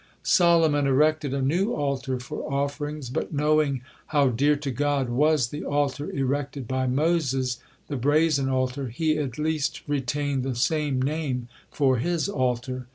Solomon erected a new altar for offerings, but knowing how dear to God was the altar erected by Moses, the brazen altar, he at least retained the same name for his altar.